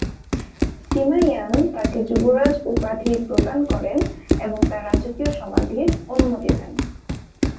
সিমা Yan তাকে যুবরাজ উপাধি প্রদান করেন এবং তার রাজকীয় সমাধির অনুমতি দেন।